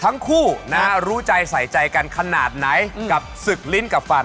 ทุกส่วนรู้ใจอีกไหนกับซึกลิ้นกับฟัน